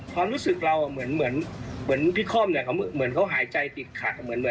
ความรู้สึกเราเหมือนพี่ค่อมเหมือนเขาหายใจติดขัด